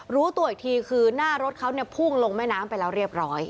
รู้ตัวอีกทีคือหน้ารถเขาเนี่ยพุ่งลงแม่น้ำไปแล้วเรียบร้อย